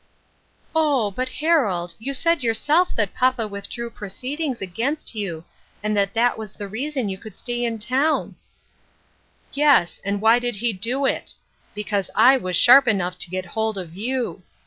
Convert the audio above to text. " Oh ! but, Harold, you said yourself that papa DAYS OF PRIVILEGE. 2J\ withdrew proceedings against you, and that that was the reason you could stay in town." " Yes ; and why did he do it ? Because I was sharp enough to get hold of you.